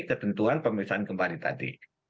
ketentuan pemeriksaan kembali tadi